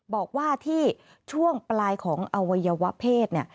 บอกว่าที่ช่วงปลายของอวัยวะเพศ